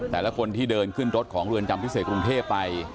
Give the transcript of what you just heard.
แต่ละคนที่เดินขึ้นรถของเรือนจำพิเศษกรุงเทพไป